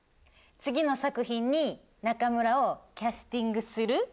次の作品に中村をキャスティングする？